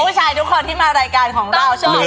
ผู้ชายทุกคนที่มารายการของเราใช่ไหม